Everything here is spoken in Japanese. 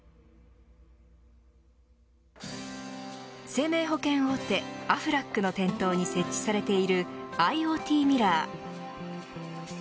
生命保険大手アフラックの店頭に設置されているＩｏＴミラー。